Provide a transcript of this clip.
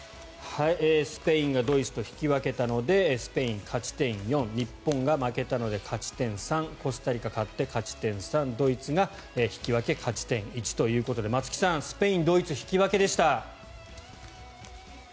スペインがドイツと引き分けたのでスペイン勝ち点４日本が負けたので勝ち点３コスタリカ、勝って勝ち点３ドイツが引き分け勝ち点１ということで松木さん、スペイン、ドイツ引き分けでした。